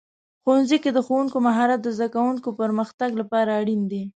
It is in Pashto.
ښوونځي کې د ښوونکو مهارت د زده کوونکو پرمختګ لپاره اړین دی.